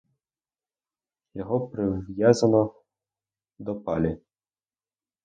Його прив'язано до палі.